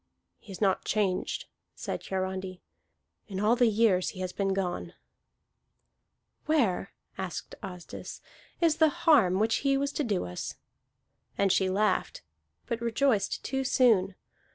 "He is not changed," said Hiarandi, "in all the years he has been gone." "Where," asked Asdis, "is the harm which he was to do us?" And she laughed, but rejoiced too soon.